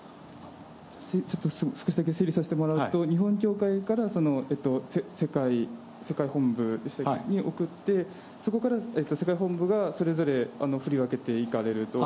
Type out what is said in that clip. ちょっと、少しだけ整理させてもらうと、日本教会から世界本部でしたっけ、に送って、そこから、世界本部がそれぞれ振り分けていかれると。